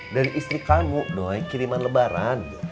dan istri kamu doi kiriman lebaran